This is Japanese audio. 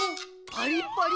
パリッパリ。